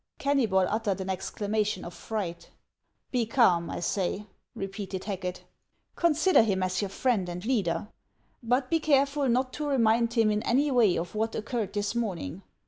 Kennybol uttered an exclamation of fright. " Be calm, I say," repeated Hacket. " Consider him as your friend and leader; but be careful not to remind him in any way of what occurred this morning.